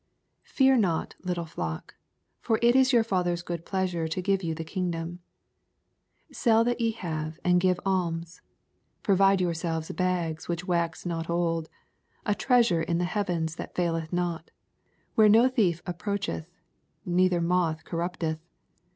83 Fear not, little flock ; for it is your Father's good pleasure to give 70a the kingdoDpi. 88 Sell that ye have, and give alms ; provide yourselves bags whioh wax not old, a treasure in the heavens that Mleth not, where no thief ap proacheth, neither moth corrapteth.